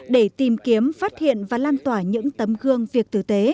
để tìm kiếm phát hiện và lan tỏa những tấm gương việc tử tế